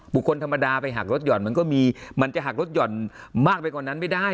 คนธรรมดาไปหักรถหย่อนมันก็มีมันจะหักรถหย่อนมากไปกว่านั้นไม่ได้